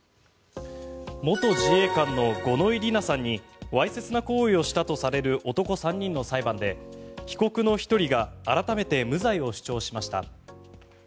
元自衛官の五ノ井里奈さんにわいせつな行為をしたとされる男３人の裁判で被告の１人が改めて無罪を主張しました。